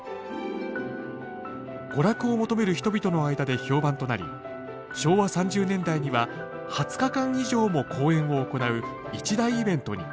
娯楽を求める人々の間で評判となり昭和３０年代には二十日間以上も公演を行う一大イベントに。